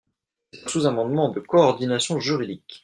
C’est un sous-amendement de coordination juridique.